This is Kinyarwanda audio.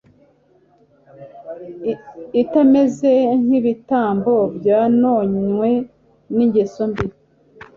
itameze nkibitambo byononwe ningeso mbi